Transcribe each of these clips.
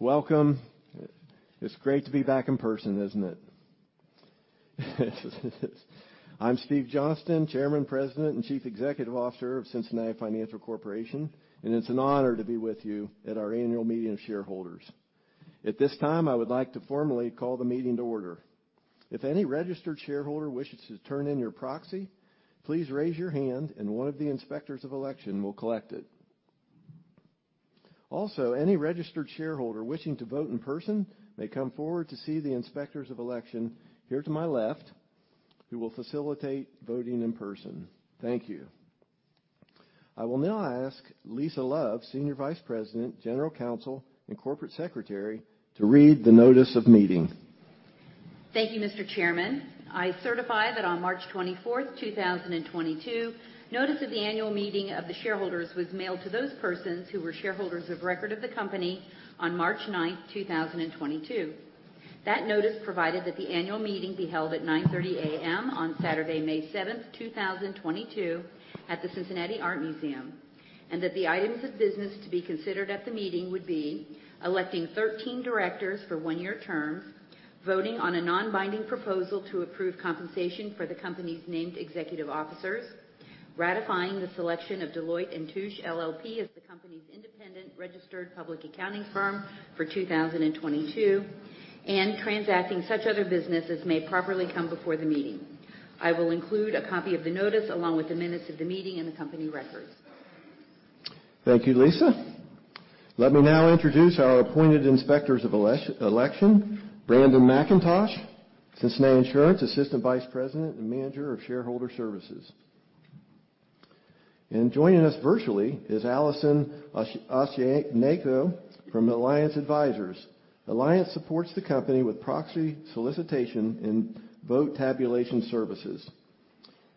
Welcome. It's great to be back in person, isn't it? I'm Steven J. Johnston, Chairman, President, and Chief Executive Officer of Cincinnati Financial Corporation, and it's an honor to be with you at our Annual Meeting of Shareholders. At this time, I would like to formally call the meeting to order. If any registered shareholder wishes to turn in your proxy, please raise your hand and one of the Inspectors of Election will collect it. Also, any registered shareholder wishing to vote in person may come forward to see the Inspectors of Election here to my left, who will facilitate voting in person. Thank you. I will now ask Lisa Love, Senior Vice President, General Counsel, and Corporate Secretary to read the notice of meeting. Thank you, Mr. Chairman. I certify that on March 24th, 2022, notice of the annual meeting of the shareholders was mailed to those persons who were shareholders of record of the company on March 9th, 2022. That notice provided that the annual meeting be held at 9:30 A.M. on Saturday, May 7th, 2022 at the Cincinnati Art Museum, and that the items of business to be considered at the meeting would be electing 13 directors for one-year terms, voting on a non-binding proposal to approve compensation for the company's named executive officers, ratifying the selection of Deloitte & Touche LLP as the company's independent registered public accounting firm for 2022, and transacting such other business as may properly come before the meeting. I will include a copy of the notice along with the minutes of the meeting in the company records. Thank you, Lisa. Let me now introduce our appointed Inspectors of Election, Brandon McIntosh, Cincinnati Insurance Assistant Vice President and Manager of Shareholder Services. Joining us virtually is Alyson Osenenko from Alliance Advisors. Alliance supports the company with proxy solicitation and vote tabulation services.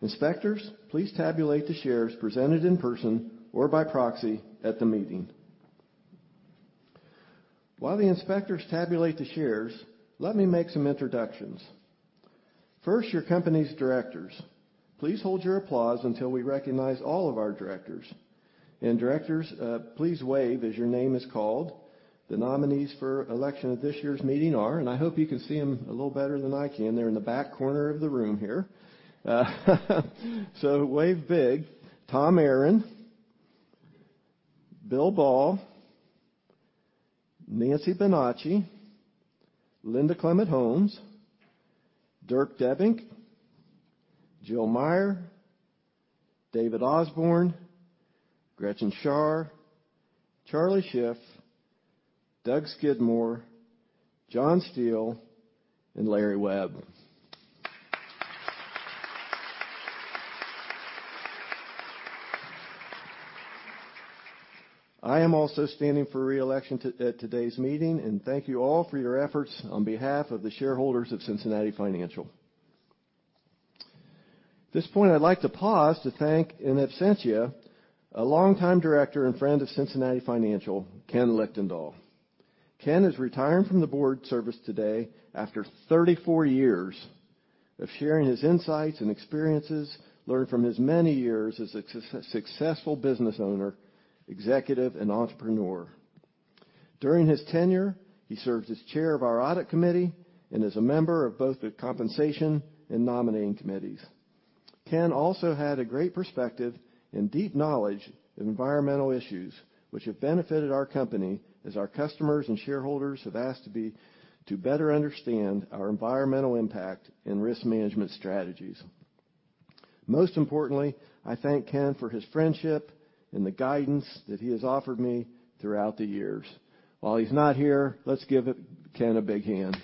Inspectors, please tabulate the shares presented in person or by proxy at the meeting. While the inspectors tabulate the shares, let me make some introductions. First, your company's directors. Please hold your applause until we recognize all of our directors. Directors, please wave as your name is called. The nominees for election at this year's meeting are, and I hope you can see them a little better than I can. They're in the back corner of the room here. Wave big. Tom Aaron, Bill Bahl, Nancy Benacci, Linda Clement-Holmes, Dirk Debbink, Jill Meyer, David Osborn, Gretchen Schar, Charlie Schiff, Doug Skidmore, John Steele, and Larry Webb. I am also standing for re-election at today's meeting, and thank you all for your efforts on behalf of the shareholders of Cincinnati Financial. At this point, I'd like to pause to thank in absentia a longtime director and friend of Cincinnati Financial, Ken Lichtendahl. Ken is retiring from the board service today after 34 years of sharing his insights and experiences learned from his many years as a successful business owner, executive and entrepreneur. During his tenure, he served as chair of our audit committee and as a member of both the compensation and nominating committees. Ken also had a great perspective and deep knowledge of environmental issues which have benefited our company as our customers and shareholders have asked to better understand our environmental impact and risk management strategies. Most importantly, I thank Ken for his friendship and the guidance that he has offered me throughout the years. While he's not here, let's give Ken a big hand.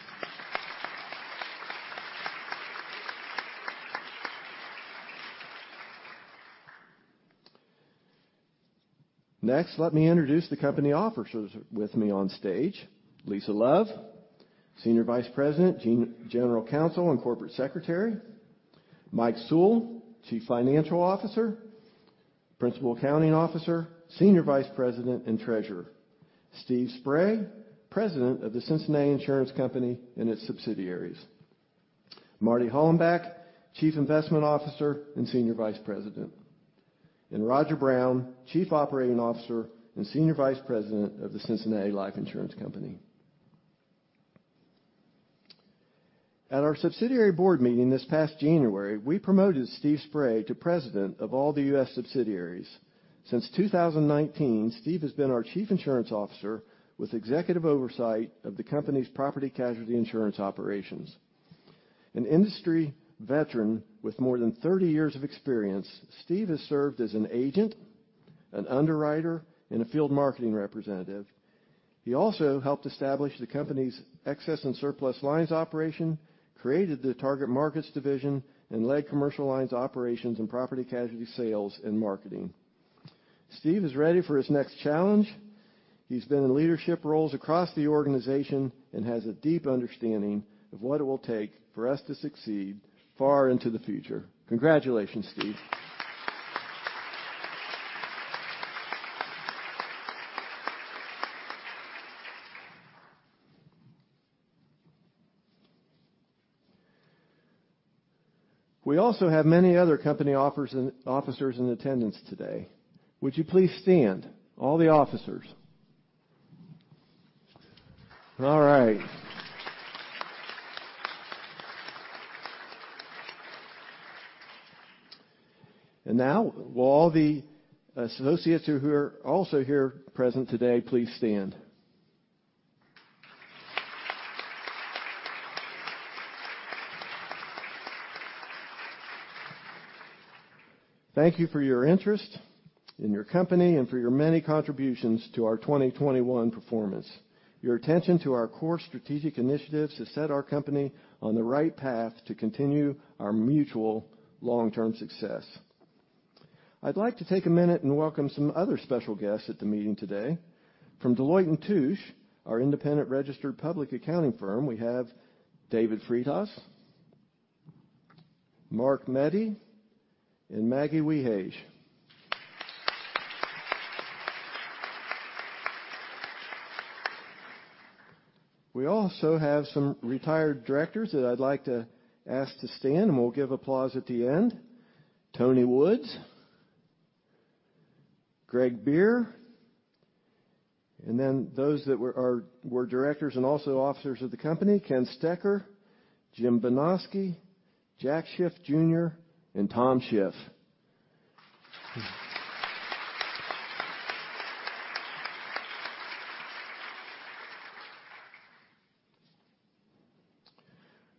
Next, let me introduce the company officers with me on stage. Lisa Love, Senior Vice President, General Counsel and Corporate Secretary. Mike Sewell, Chief Financial Officer, Principal Accounting Officer, Senior Vice President, and Treasurer. Steve Spray, President of the Cincinnati Insurance Company and its subsidiaries. Marty Hollenbeck, Chief Investment Officer and Senior Vice President. Roger Brown, Chief Operating Officer and Senior Vice President of the Cincinnati Life Insurance Company. At our subsidiary board meeting this past January, we promoted Steve Spray to President of all the U.S. subsidiaries. Since 2019, Steve has been our Chief Insurance Officer with executive oversight of the company's property casualty insurance operations. An industry veteran with more than 30 years of experience, Steve has served as an agent, an underwriter, and a field marketing representative. He also helped establish the company's excess and surplus lines operation, created the target markets division and led commercial lines operations and property casualty sales and marketing. Steve is ready for his next challenge. He's been in leadership roles across the organization and has a deep understanding of what it will take for us to succeed far into the future. Congratulations, Steve. We also have many other company officers in attendance today. Would you please stand, all the officers. All right. Now, will all the associates who are also here present today, please stand. Thank you for your interest in your company and for your many contributions to our 2021 performance. Your attention to our core strategic initiatives has set our company on the right path to continue our mutual long-term success. I'd like to take a minute and welcome some other special guests at the meeting today. From Deloitte & Touche, our independent registered public accounting firm, we have David Freitas, Mark Mede, and Maggie Wehage. We also have some retired directors that I'd like to ask to stand, and we'll give applause at the end. Tony Woods, Greg Bier, and then those that were directors and also officers of the company, Ken Stecher, Jim Benoski, Jack Schiff Jr., and Tom Schiff.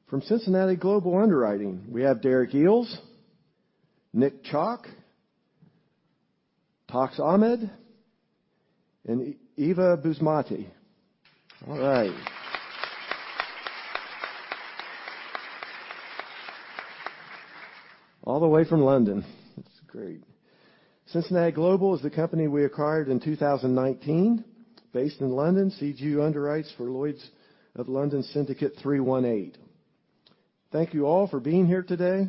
From Cincinnati Global Underwriting, we have Derek Eales, Nick Chalk, Toks Ahmed, and Eva Busmati. All right. All the way from London. That's great. Cincinnati Global is the company we acquired in 2019. Based in London, CG underwrites for Lloyd's of London Syndicate 318. Thank you all for being here today.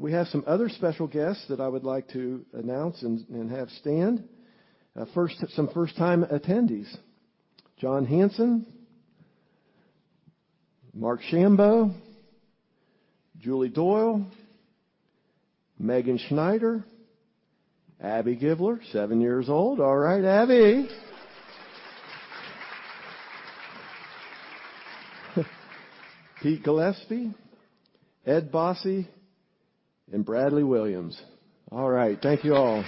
We have some other special guests that I would like to announce and have stand. First, some first-time attendees. John Hansen, Mark Shambo, Julie Doyle, Megan Schneider, Abby Gibler, seven years old. All right, Abby. Pete Gillespie, Ed Bossy, and Bradley Williams. All right. Thank you all.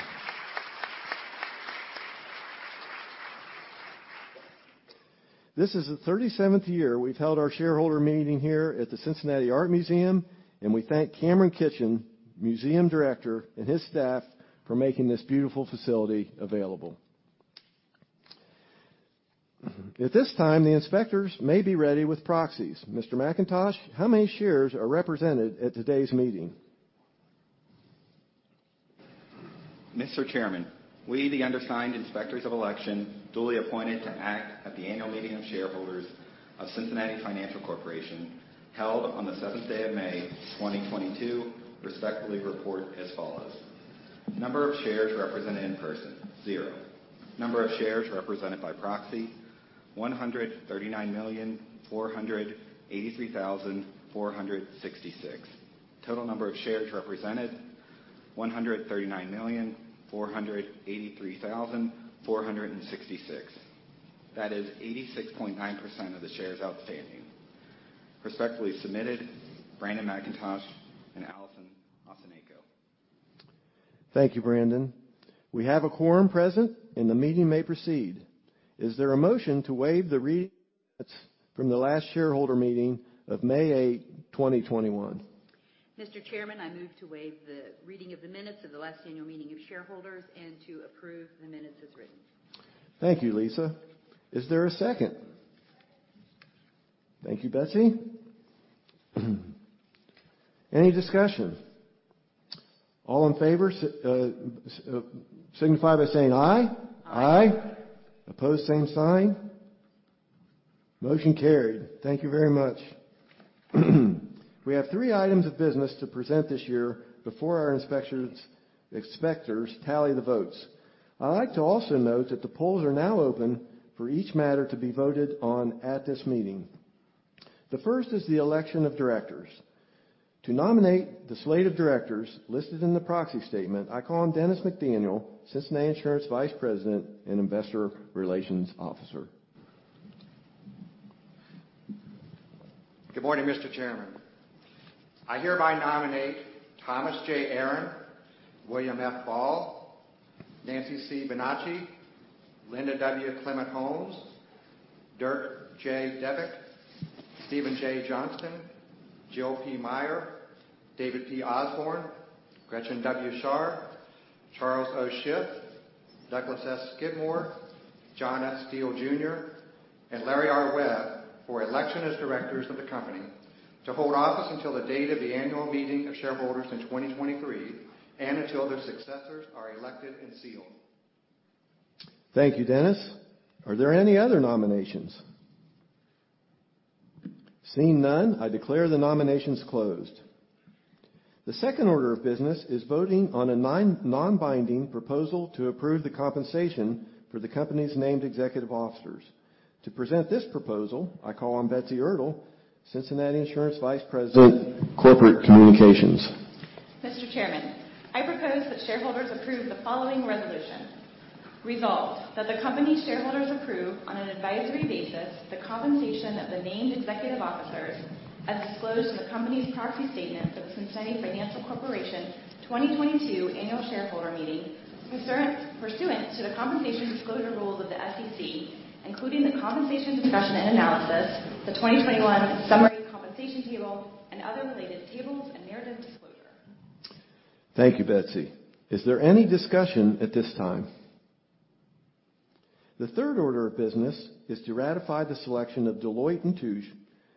This is the 37th year we've held our shareholder meeting here at the Cincinnati Art Museum, and we thank Cameron Kitchin, museum director, and his staff for making this beautiful facility available. At this time, the inspectors may be ready with proxies. Mr. McIntosh, how many shares are represented at today's meeting? Mr. Chairman, we, the undersigned inspectors of election, duly appointed to act at the annual meeting of shareholders of Cincinnati Financial Corporation, held on the seventh day of May, 2022, respectfully report as follows. Number of shares represented in person, zero. Number of shares represented by proxy, 139,483,466. Total number of shares represented, 139,483,466. That is 86.9% of the shares outstanding. Respectfully submitted, Brandon McIntosh and Alyson Osenenko. Thank you, Brandon. We have a quorum present and the meeting may proceed. Is there a motion to waive the reading from the last shareholder meeting of May 8th, 2021? Mr. Chairman, I move to waive the reading of the minutes of the last annual meeting of shareholders and to approve the minutes as written. Thank you, Lisa. Is there a second? Thank you, Betsy. Any discussion? All in favor signify by saying aye. Aye. Opposed, same sign. Motion carried. Thank you very much. We have three items of business to present this year before our inspectors tally the votes. I'd like to also note that the polls are now open for each matter to be voted on at this meeting. The first is the election of directors. To nominate the slate of directors listed in the proxy statement, I call on Dennis McDaniel, Cincinnati Insurance Vice President and Investor Relations Officer. Good morning, Mr. Chairman. I hereby nominate Thomas J. Aaron, William F. Bahl, Nancy C. Benacci, Linda W. Clement-Holmes, Dirk J. Debbink, Steven J. Johnston, Jill P. Meyer, David P. Osborn, Gretchen W. Schar, Charles O. Schiff, Douglas S. Skidmore, John F. Steele, Jr., and Larry R. Webb for election as directors of the company to hold office until the date of the annual meeting of shareholders in 2023 and until their successors are elected and qualified. Thank you, Dennis. Are there any other nominations? Seeing none, I declare the nominations closed. The second order of business is voting on a non-binding proposal to approve the compensation for the company's named executive officers. To present this proposal, I call on Betsy Ertel, Cincinnati Insurance Vice President, Corporate Communications. Mr. Chairman, I propose that shareholders approve the following resolution. Resolved, that the company's shareholders approve, on an advisory basis, the compensation of the named executive officers as disclosed in the company's proxy statement for the Cincinnati Financial Corporation 2022 Annual Shareholder Meeting, pursuant to the compensation disclosure rules of the SEC, including the compensation discussion and analysis, the 2021 summary compensation table, and other related tables and narrative disclosure. Thank you, Betsy. Is there any discussion at this time? The third order of business is to ratify the selection of Deloitte & Touche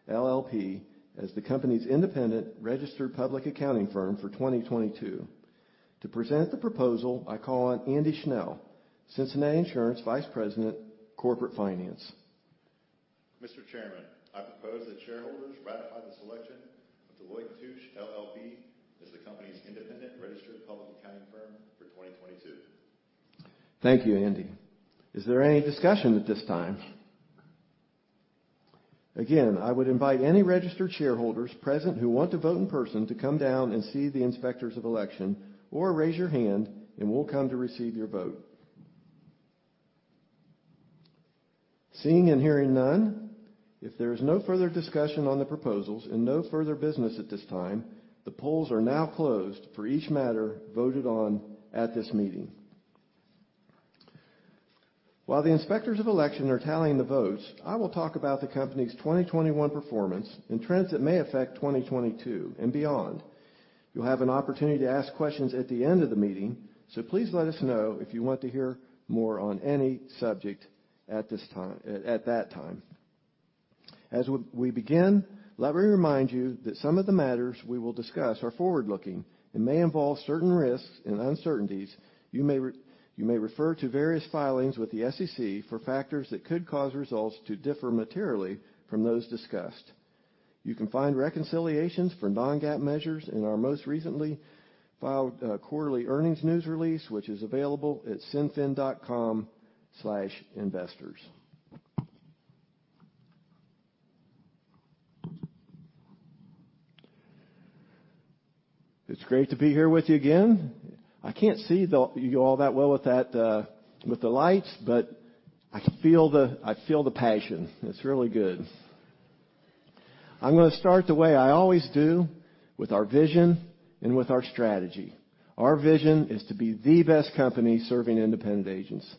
LLP as the company's independent registered public accounting firm for 2022. To present the proposal, I call on Andy Schnell, Cincinnati Insurance Vice President, Corporate Finance. Mr. Chairman, I propose that shareholders ratify the selection of Deloitte & Touche LLP as the company's independent registered public accounting firm for 2022. Thank you, Andy. Is there any discussion at this time? Again, I would invite any registered shareholders present who want to vote in person to come down and see the inspectors of election, or raise your hand, and we'll come to receive your vote. Seeing and hearing none, if there is no further discussion on the proposals and no further business at this time, the polls are now closed for each matter voted on at this meeting. While the inspectors of election are tallying the votes, I will talk about the company's 2021 performance and trends that may affect 2022 and beyond. You'll have an opportunity to ask questions at the end of the meeting, so please let us know if you want to hear more on any subject at this time, at that time. As we begin, let me remind you that some of the matters we will discuss are forward-looking and may involve certain risks and uncertainties. You may refer to various filings with the SEC for factors that could cause results to differ materially from those discussed. You can find reconciliations for non-GAAP measures in our most recently filed quarterly earnings news release, which is available at cinfin.com/investors. It's great to be here with you again. I can't see you all that well with that, with the lights, but I feel the passion. It's really good. I'm gonna start the way I always do, with our vision and with our strategy. Our vision is to be the best company serving independent agents,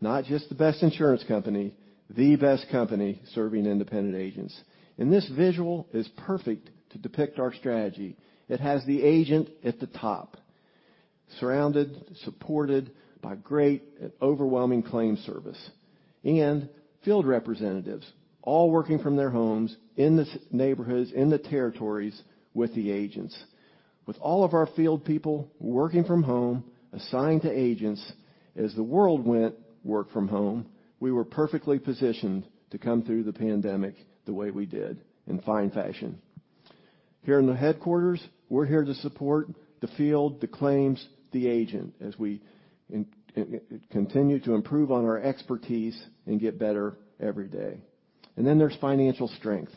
not just the best insurance company, the best company serving independent agents. This visual is perfect to depict our strategy. It has the agent at the top, surrounded, supported by great overwhelming claim service and field representatives, all working from their homes in the neighborhoods, in the territories with the agents. With all of our field people working from home, assigned to agents, as the world went to work from home, we were perfectly positioned to come through the pandemic the way we did, in fine fashion. Here in the headquarters, we're here to support the field, the claims, the agent, as we continue to improve on our expertise and get better every day. Then there's financial strength.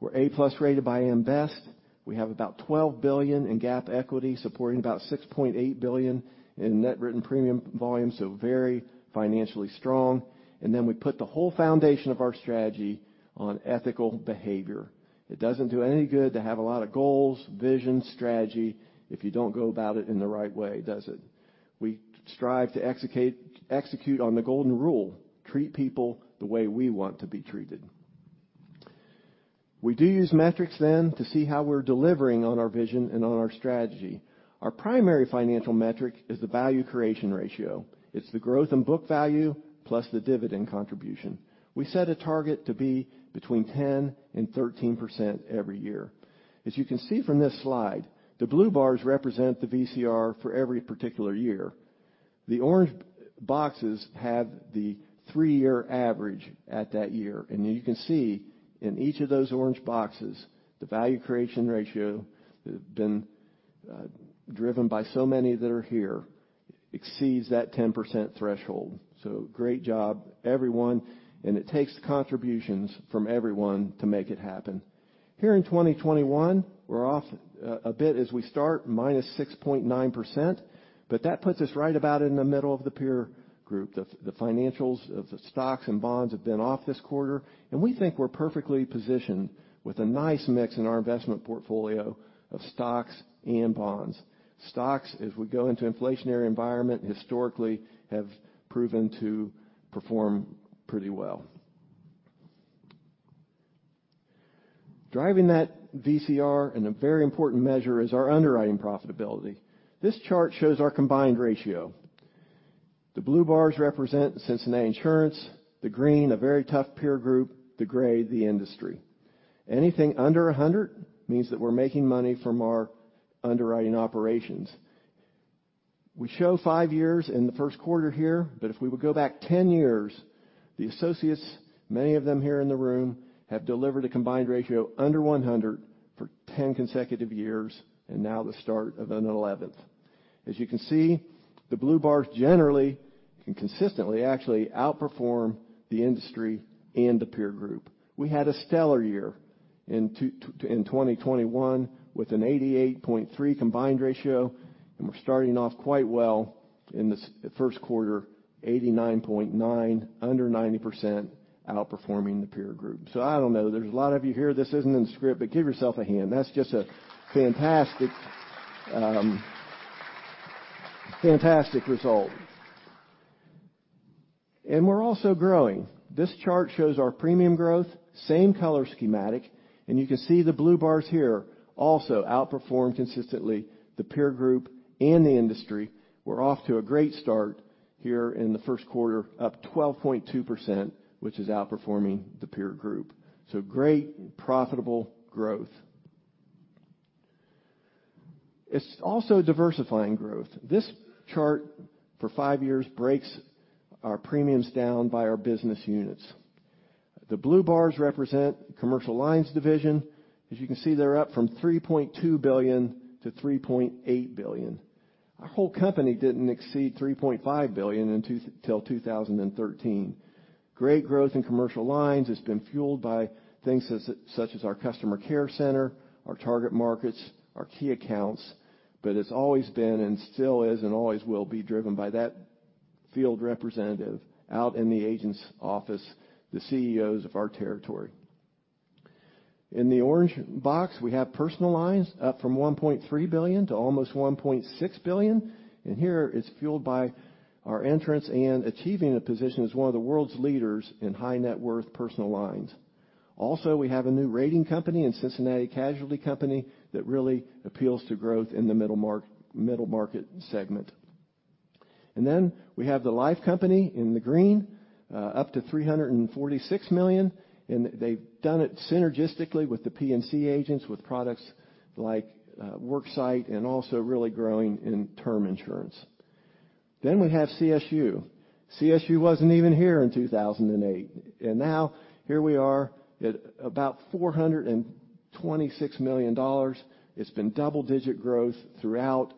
We're A+ rated by A.M. Best. We have about $12 billion in GAAP equity, supporting about $6.8 billion in net written premium volume, so very financially strong. We put the whole foundation of our strategy on ethical behavior. It doesn't do any good to have a lot of goals, vision, strategy, if you don't go about it in the right way, does it? We strive to execute on the golden rule, treat people the way we want to be treated. We do use metrics then to see how we're delivering on our vision and on our strategy. Our primary financial metric is the value creation ratio. It's the growth in book value plus the dividend contribution. We set a target to be between 10% and 13% every year. As you can see from this slide, the blue bars represent the VCR for every particular year. The orange boxes have the three-year average at that year. You can see in each of those orange boxes, the value creation ratio has been driven by so many that are here, exceeds that 10% threshold. Great job, everyone. It takes contributions from everyone to make it happen. Here in 2021, we're off a bit as we start, -6.9%, but that puts us right about in the middle of the peer group. The financials of the stocks and bonds have been off this quarter, and we think we're perfectly positioned with a nice mix in our investment portfolio of stocks and bonds. Stocks, as we go into inflationary environment, historically have proven to perform pretty well. Driving that VCR and a very important measure is our underwriting profitability. This chart shows our combined ratio. The blue bars represent Cincinnati Insurance, the green, a very tough peer group, the gray, the industry. Anything under 100 means that we're making money from our underwriting operations. We show five years in the first quarter here, but if we would go back 10 years, the associates, many of them here in the room, have delivered a combined ratio under 100 for 10 consecutive years, and now the start of an 11th. As you can see, the blue bars generally and consistently actually outperform the industry and the peer group. We had a stellar year in 2021 with an 88.3 combined ratio, and we're starting off quite well in the first quarter, 89.9, under 90%, outperforming the peer group. I don't know, there's a lot of you here, this isn't in script, but give yourself a hand. That's just a fantastic result. We're also growing. This chart shows our premium growth, same color schematic, and you can see the blue bars here also outperform consistently the peer group and the industry. We're off to a great start here in the first quarter, up 12.2%, which is outperforming the peer group. Great profitable growth. It's also diversifying growth. This chart for five years breaks our premiums down by our business units. The blue bars represent Commercial Lines division. As you can see, they're up from $3.2 billion to $3.8 billion. Our whole company didn't exceed $3.5 billion until 2013. Great growth in Commercial Lines has been fueled by things such as our Customer Care Center, our Target Markets, our Key Accounts, but it's always been and still is and always will be driven by that field representative out in the agent's office, the CEOs of our territory. In the orange box, we have personal lines up from $1.3 billion to almost $1.6 billion, and here it's fueled by our entrance and achieving a position as one of the world's leaders in high net worth personal lines. Also, we have a new writing company in The Cincinnati Casualty Company that really appeals to growth in the middle market segment. We have the life company in the green, up to $346 million, and they've done it synergistically with the P&C agents with products like Worksite and also really growing in term insurance. We have CSU. CSU wasn't even here in 2008. Now here we are at about $426 million. It's been double-digit growth throughout,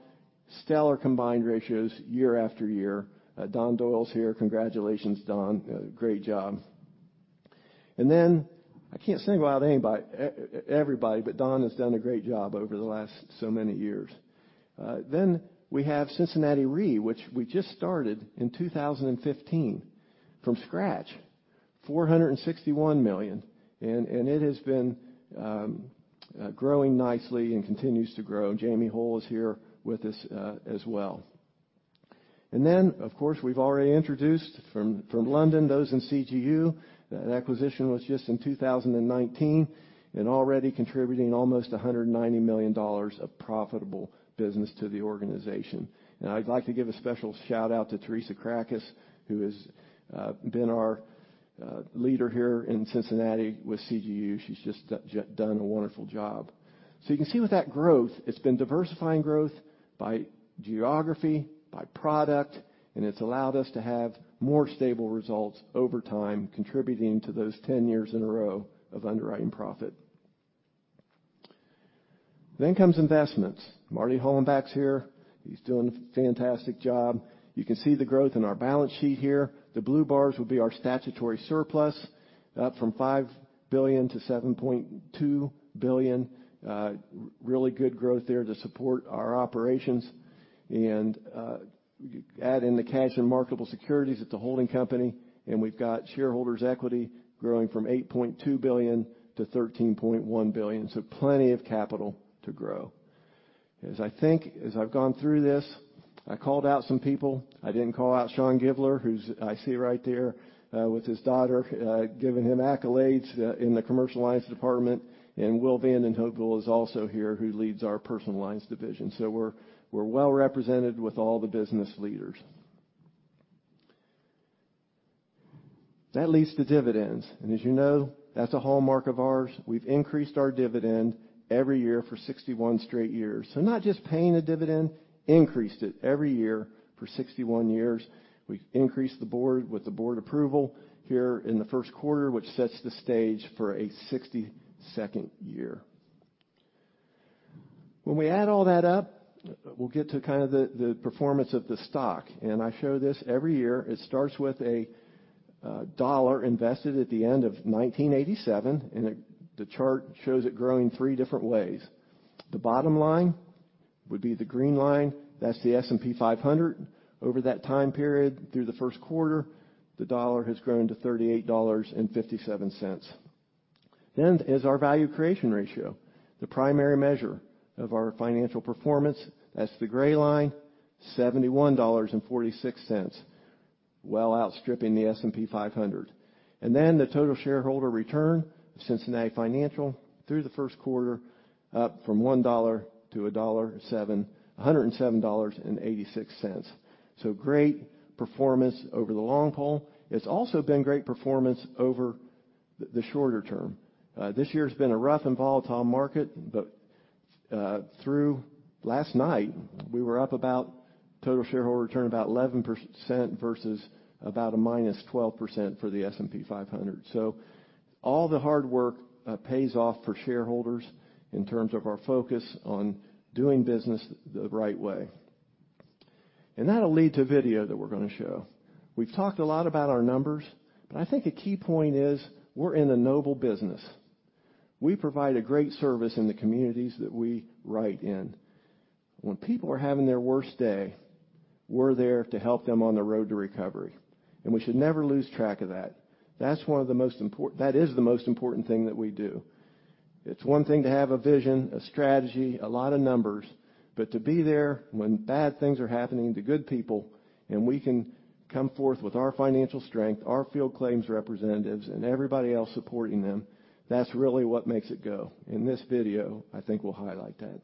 stellar combined ratios year after year. Don Doyle's here. Congratulations, Don. Great job. I can't single out everybody, but Don has done a great job over the last so many years. We have Cincinnati Re, which we just started in 2015 from scratch, $461 million, and it has been growing nicely and continues to grow. Jamie Hall is here with us, as well. Of course, we've already introduced from London those in CGU. That acquisition was just in 2019 and already contributing almost $190 million of profitable business to the organization. Now I'd like to give a special shout-out to Teresa C. Cracas, who has been our leader here in Cincinnati with CGU. She's just done a wonderful job. You can see with that growth, it's been diversifying growth by geography, by product, and it's allowed us to have more stable results over time, contributing to those 10 years in a row of underwriting profit. Comes investments. Martin F. Hollenbeck's here. He's doing a fantastic job. You can see the growth in our balance sheet here. The blue bars will be our statutory surplus, up from $5 billion to $7.2 billion. Really good growth there to support our operations. Add in the cash and marketable securities at the holding company, and we've got shareholders' equity growing from $8.2 billion to $13.1 billion. Plenty of capital to grow. As I think, as I've gone through this, I called out some people. I didn't call out Sean Gibler, who I see right there, with his daughter, giving him accolades in the Commercial Lines department. Will Van Den Heuvel is also here, who leads our Personal Lines division. We're well represented with all the business leaders. That leads to dividends. As you know, that's a hallmark of ours. We've increased our dividend every year for 61 straight years. Not just paying a dividend, increased it every year for 61 years. We increased the board with the board approval here in the first quarter, which sets the stage for a 62nd year. When we add all that up, we'll get to kind of the performance of the stock. I show this every year. It starts with a dollar invested at the end of 1987, and the chart shows it growing three different ways. The bottom line would be the green line. That's the S&P 500. Over that time period through the first quarter, the dollar has grown to $38.57. Our value creation ratio is the primary measure of our financial performance. That's the gray line, $71.46, well outstripping the S&P 500. Then the total shareholder return of Cincinnati Financial through the first quarter, up from $1 to $107.86. Great performance over the long haul. It's also been great performance over the shorter term. This year's been a rough and volatile market, but through last night, we were up about total shareholder return about 11% versus about a -12% for the S&P 500. All the hard work pays off for shareholders in terms of our focus on doing business the right way. That'll lead to a video that we're gonna show. We've talked a lot about our numbers, but I think a key point is, we're in the noble business. We provide a great service in the communities that we write in. When people are having their worst day, we're there to help them on the road to recovery, and we should never lose track of that. That's one of the most important thing that we do. It's one thing to have a vision, a strategy, a lot of numbers, but to be there when bad things are happening to good people, and we can come forth with our financial strength, our field claims representatives and everybody else supporting them, that's really what makes it go. In this video, I think we'll highlight that.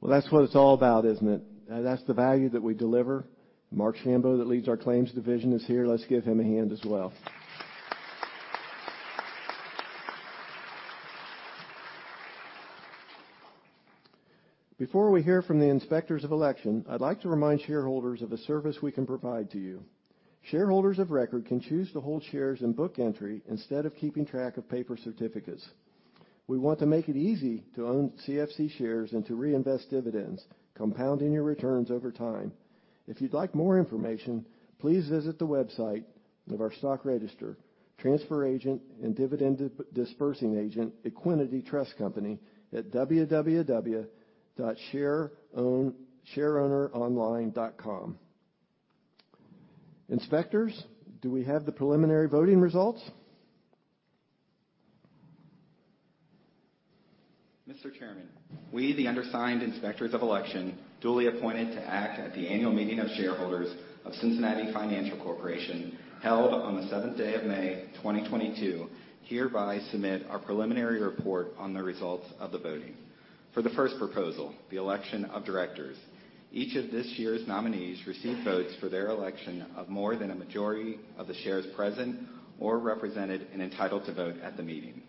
Well, that's what it's all about, isn't it? That's the value that we deliver. Mark Shambo that leads our claims division is here. Let's give him a hand as well. Before we hear from the inspectors of election, I'd like to remind shareholders of a service we can provide to you. Shareholders of record can choose to hold shares in book entry instead of keeping track of paper certificates. We want to make it easy to own CFC shares and to reinvest dividends, compounding your returns over time. If you'd like more information, please visit the website of our stock register, transfer agent, and dividend disbursing agent, Equiniti Trust Company at shareowneronline.com. Inspectors, do we have the preliminary voting results? Mr. Chairman, we, the undersigned inspectors of election, duly appointed to act at the annual meeting of shareholders of Cincinnati Financial Corporation, held on the seventh day of May, 2022, hereby submit our preliminary report on the results of the voting. For the first proposal, the election of directors. Each of this year's nominees received votes for their election of more than a majority of the shares present or represented and entitled to vote at the meeting.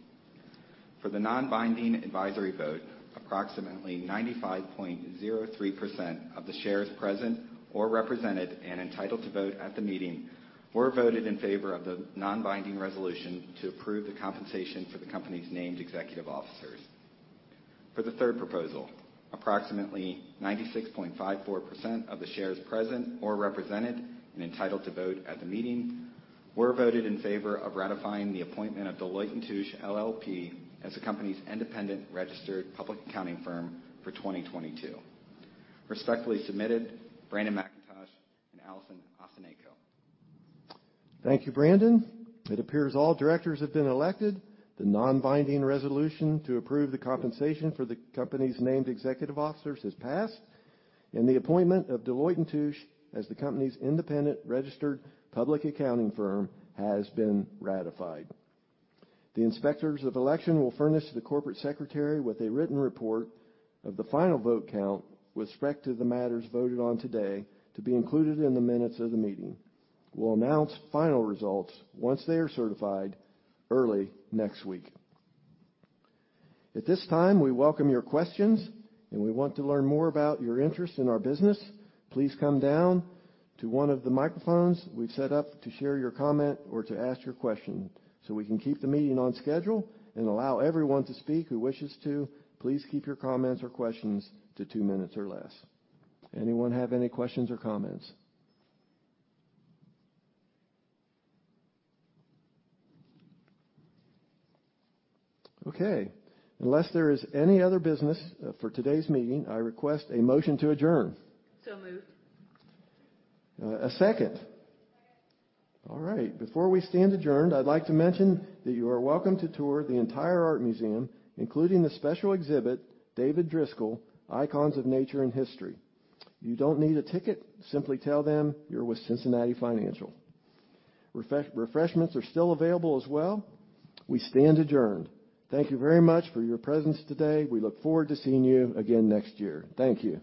For the non-binding advisory vote, approximately 95.03% of the shares present or represented and entitled to vote at the meeting were voted in favor of the non-binding resolution to approve the compensation for the company's named executive officers. For the third proposal, approximately 96.54% of the shares present or represented and entitled to vote at the meeting were voted in favor of ratifying the appointment of Deloitte & Touche LLP as the company's independent registered public accounting firm for 2022. Respectfully submitted, Brandon McIntosh and Alyson Osenenko. Thank you, Brandon. It appears all directors have been elected. The non-binding resolution to approve the compensation for the company's named executive officers has passed, and the appointment of Deloitte & Touche as the company's independent registered public accounting firm has been ratified. The inspectors of election will furnish to the corporate secretary with a written report of the final vote count with respect to the matters voted on today to be included in the minutes of the meeting. We'll announce final results once they are certified early next week. At this time, we welcome your questions, and we want to learn more about your interest in our business. Please come down to one of the microphones we've set up to share your comment or to ask your question. We can keep the meeting on schedule and allow everyone to speak who wishes to, please keep your comments or questions to two minutes or less. Anyone have any questions or comments? Okay. Unless there is any other business, for today's meeting, I request a motion to adjourn. Moved. A second. Second. All right. Before we stand adjourned, I'd like to mention that you are welcome to tour the entire art museum, including the special exhibit, David Driskell: Icons of Nature and History. You don't need a ticket. Simply tell them you're with Cincinnati Financial. Refreshments are still available as well. We stand adjourned. Thank you very much for your presence today. We look forward to seeing you again next year. Thank you.